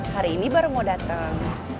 hari ini baru mau datang